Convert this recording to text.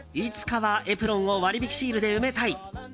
いつかはエプロンを割引シールで埋めたい。